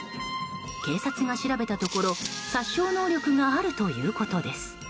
警察が調べたところ殺傷能力があるということです。